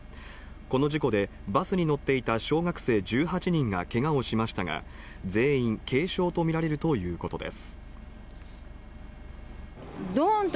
この事故で、バスに乗っていた小学生１８人がけがをしましたが、全員軽傷とみられるということです。